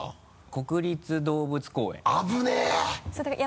「国立動物公園」危ない！